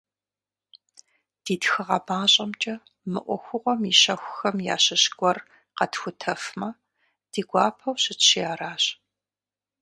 Ди тхыгъэ мащӏэмкӏэ мы ӏуэхугъуэм и щэхухэм ящыщ гуэр къэтхутэфмэ, ди гуапэу щытщи аращ.